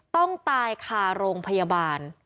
ต้องตายคาโรงพยาบาล